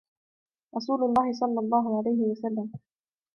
رَسُولُ اللَّهِ صَلَّى اللَّهُ عَلَيْهِ وَسَلَّمَ